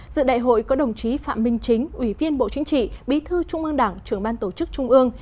dự đại hội có đồng chí phạm minh chính ủy viên bộ chính trị bí thư trung ương đảng trưởng ban tổ chức trung ương